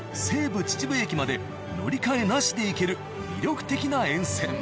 西武秩父駅まで乗り換えなしで行ける魅力的な沿線。